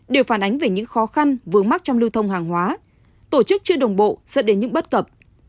đều phản ánh về những khó khăn vướng mắc trong lưu thông hàng hóa tổ chức chưa đồng bộ dẫn đến những bất cập